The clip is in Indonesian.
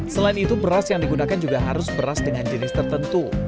selain itu beras yang digunakan juga harus beras dengan jenis tertentu